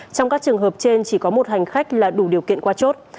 trong các trường hợp trên chỉ có một hành khách là đủ điều kiện qua chốt